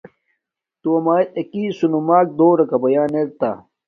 تو ما ایت اکی سنماک دوراکا بیان ار تا۔